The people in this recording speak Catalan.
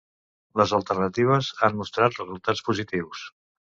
Les alternatives han mostrat resultats positius.